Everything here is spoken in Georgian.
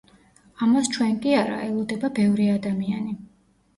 ამას ჩვენ კი არა, ელოდება ბევრი ადამიანი.